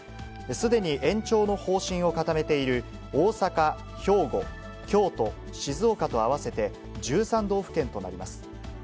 すでに延長の方針を固めている大阪、兵庫、京都、静岡と合わせて１３道府県となります。